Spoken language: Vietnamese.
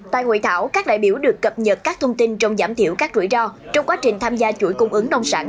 tại hội thảo các đại biểu được cập nhật các thông tin trong giảm thiểu các rủi ro trong quá trình tham gia chuỗi cung ứng nông sản